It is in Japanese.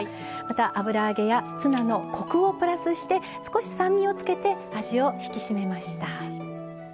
油揚げやツナのコクをプラスして少し酸味をつけて味を引き締めました。